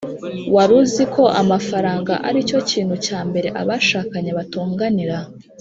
wari uziko amafaranga aricyo kintu cya mbere abashakanye batonganira